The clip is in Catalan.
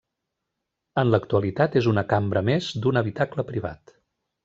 En l'actualitat és una cambra més d'un habitacle privat.